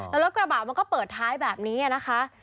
แล้วรถกระบะมันก็เปิดท้ายแบบนี้นะคะ